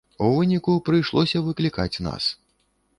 У выніку, прыйшлося выклікаць нас.